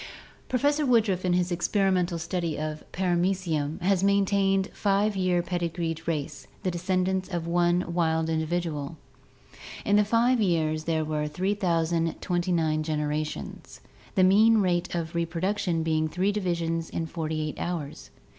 Professor Woodruff in his experimental study of Paramecium has maintained a five year pedigreed race, the descendants of one wild individual. In the five years there were 3029 generations, the mean rate of reproduction being three divisions in forty eight hours.